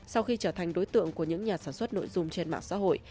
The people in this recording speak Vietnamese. sau khi trở thành đối tượng của những nhà sản xuất nội dung trên mạng xã hội